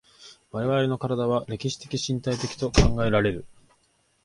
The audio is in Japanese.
我々の身体は歴史的身体的と考えられる。